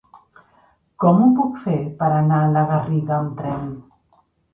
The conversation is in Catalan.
Com ho puc fer per anar a la Garriga amb tren?